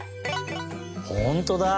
ほんとうだ。